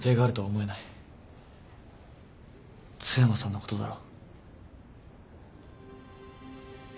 津山さんのことだろ。